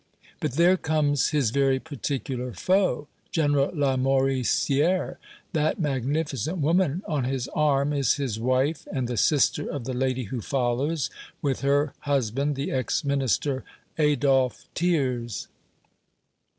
But there comes his very particular foe; General Lamoricière. That magnificent woman on his arm is his wife and the sister of the lady who follows, with her husband, the ex Minister, Adolphe Thiers."